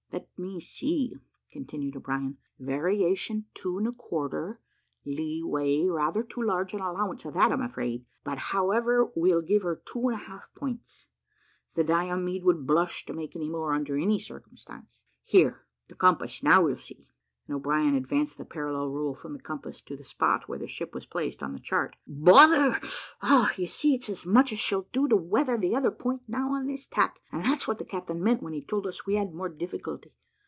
"Let me see," continued O'Brien, "variation two and a quarter lee way rather too large an allowance of that, I'm afraid; but, however, we'll give her two and a half points; the Diomede would blush to make any more, under any circumstances. Here the compass now we'll see;" and O'Brien advanced the parallel rule from the compass to the spot where the ship was placed on the chart. "Bother! you see it's as much as she'll do to weather the other point now, on this tack, and that's what the captain meant when he told us we had more difficulty.